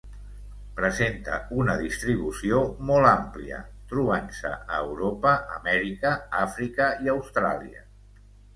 Presenta una distribució molt àmplia, trobant-se a Europa, Amèrica, Àfrica i Austràlia.